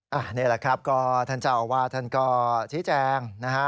นี่แหละครับก็ท่านเจ้าว่าท่านก็ใช้แจงนะคะ